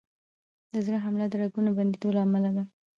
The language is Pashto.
د زړه حمله د رګونو بندېدو له امله ده.